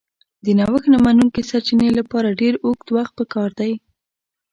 د نوښت نه منونکي سرچینې لپاره ډېر اوږد وخت پکار دی.